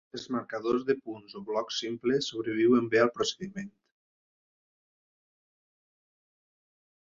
Els marcadors de punts o blocs simples sobreviuen bé el procediment.